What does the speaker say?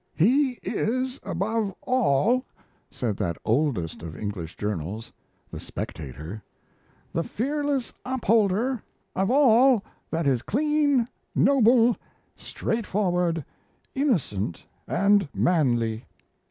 "He is, above all," said that oldest of English journals, 'The Spectator', "the fearless upholder of all that is clean, noble, straightforward, innocent, and manly.